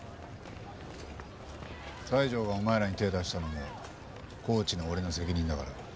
西条がお前らに手ぇ出したのもコーチの俺の責任だから。